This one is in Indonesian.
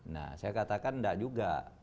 nah saya katakan enggak juga